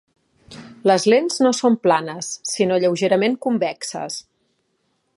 Les lents no són planes sinó lleugerament convexes.